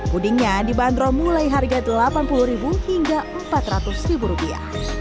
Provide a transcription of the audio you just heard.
pudingnya dibanderol mulai harga delapan puluh hingga empat ratus rupiah